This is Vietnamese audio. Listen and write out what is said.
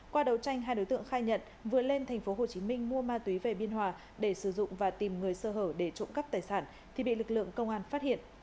qua đầu tranh hai đối tượng khai nhận vừa lên tp hcm mua ma túy về biên hòa để sử dụng và tìm người sơ hở để trộm cắp tài sản thì bị lực lượng công an phát hiện